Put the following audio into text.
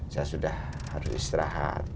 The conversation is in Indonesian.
saya sudah harus istirahat